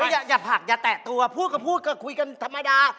หาใจเชิญพักอย่าแตกตัวพูดกับพูดกับคุยกันธรรมดา